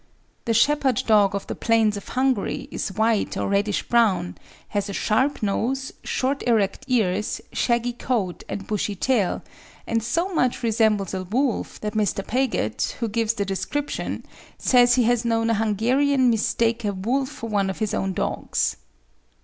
The Shepherd Dog of the plains of Hungary is white or reddish brown, has a sharp nose, short erect ears, shaggy coat, and bushy tail, and so much resembles a wolf that Mr. Paget, who gives the description, says he has known a Hungarian mistake a wolf for one of his own dogs.